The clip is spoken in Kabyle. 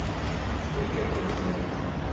Tfakk-akent-tent.